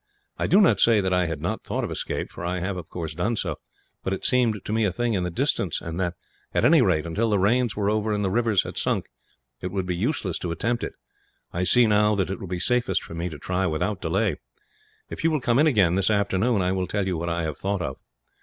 I do not say that I had not thought of escape, for I have of course done so. But it seemed to me a thing in the distance; and that, at any rate until the rains were over and the rivers had sunk, it would be useless to attempt it. I see, now, that it will be safest for me to try without delay. If you will come in again, this afternoon, I will tell you what I have thought of."